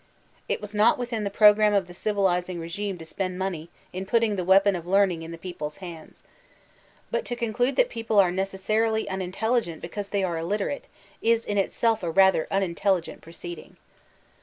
It was not within the program of the ''civilizing" regime to spend money in putting the weapon of learning in the people's hands* But to conclude that people are Thb Mexican Rkvolution ^ aarily unintelligent because they are illiterate, ia in itself a rather unintelligent proceeding.